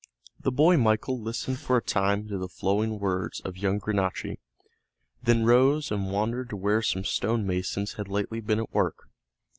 The boy Michael listened for a time to the flowing words of young Granacci, then rose and wandered to where some stone masons had lately been at work.